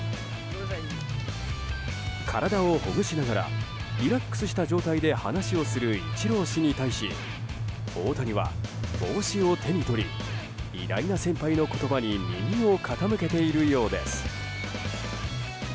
体をほぐしながらリラックスした状態で話をするイチロー氏に対し大谷は帽子を手に取り偉大な先輩の言葉に耳を傾けているようです。